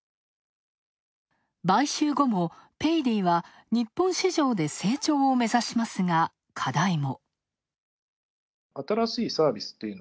買収後もペイディは日本市場で成長を目指しますが課題も。